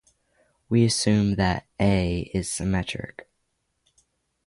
We assume that "A" is symmetric.